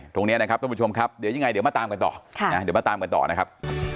ตรงนี้นะครับท่านผู้ชมครับเดี๋ยวยังไงเดี๋ยวมาตามกันต่อนะครับ